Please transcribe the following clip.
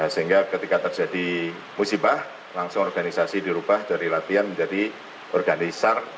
sehingga ketika terjadi musibah langsung organisasi dirubah dari latihan menjadi organisar